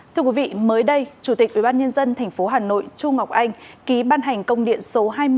thưa quý vị mới đây chủ tịch ubnd tp hà nội chu ngọc anh ký ban hành công điện số hai mươi